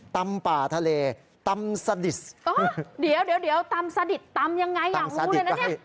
ตำยังไงอยากรู้นะ